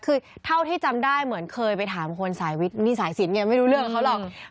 คือเท่าที่จำได้เหมือนเคยไปถามคนนี่สายสินไม่รู้เรื่องกับเขาหรอก